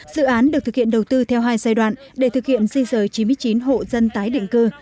dự án được thực hiện đầu tư theo hai giai đoạn để thực hiện di rời chín mươi chín hộ dân tái định cư